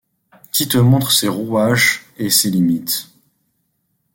Qui te montre ses rouages et ses limites.